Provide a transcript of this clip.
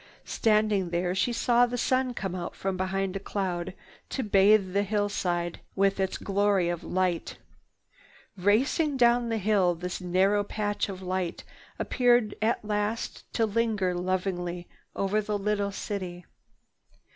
Standing there, she saw the sun come out from behind a cloud to bathe the hillside with its glory of light. Racing down the hill, this narrow patch of light appeared at last to linger lovingly over the little city.